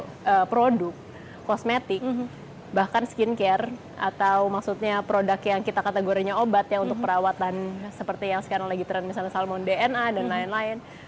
untuk produk kosmetik bahkan skincare atau maksudnya produk yang kita kategorinya obat ya untuk perawatan seperti yang sekarang lagi trend misalnya salmon dna dan lain lain